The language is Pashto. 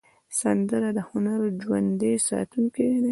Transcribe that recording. سندره د هنر ژوندي ساتونکی ده